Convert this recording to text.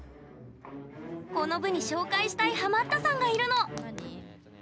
この部に紹介したいハマったさんがいるの。